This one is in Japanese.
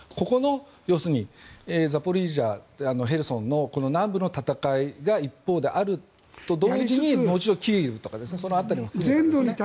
要するにザポリージャとヘルソンのこの南部の戦いが一方であると同時にもう一度キーウとかその辺りも含めて。